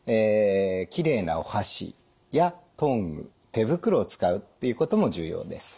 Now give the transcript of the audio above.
きれいなお箸やトング手袋を使うっていうことも重要です。